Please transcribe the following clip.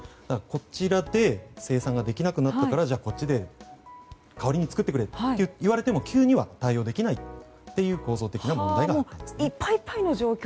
こちらで生産ができなくなったからじゃあ、こっちで代わりに作ってくれと言われても急には対応できないといういっぱいいっぱいの状況。